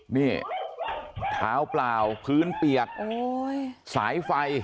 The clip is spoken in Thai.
นี่เท้าเปล่าพื้นเปียกสายไฟ